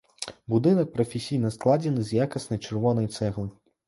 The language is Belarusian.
Будынак прафесійна складзены з якаснай чырвонай цэглы.